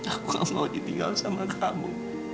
aku gak mau ditinggal sama kamu